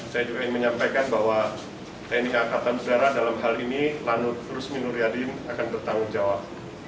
saya juga ingin menyampaikan bahwa tni angkatan udara dalam hal ini lanut rusmin nur yadin akan bertanggung jawab